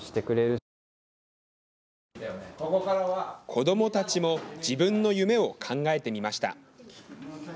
子どもたちも自分の夢を考えてみました。